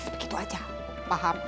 begitu aja paham